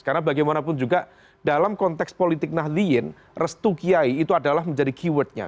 karena bagaimanapun juga dalam konteks politik nahliin restu kiai itu adalah menjadi keywordnya